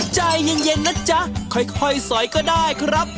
ใจเย็นนะจ๊ะค่อยสอยก็ได้ครับ